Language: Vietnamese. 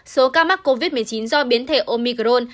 số ca mắc covid một mươi chín do biến thể omicron